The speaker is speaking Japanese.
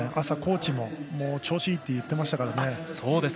朝、コーチも調子がいいと言っていましたからね。